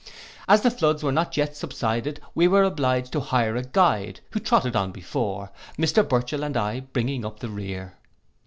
As the floods were not yet subsided, we were obliged to hire a guide, who trotted on before, Mr Burchell and I bringing up the rear.